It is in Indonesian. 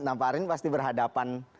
tentang farin pasti berhadapan